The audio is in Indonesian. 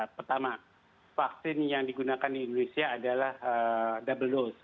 pertama vaksin yang digunakan di indonesia adalah double dose